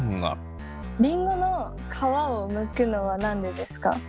りんごの皮をむくのは何でですか？